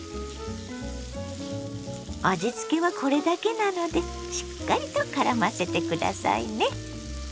味つけはこれだけなのでしっかりとからませて下さいね。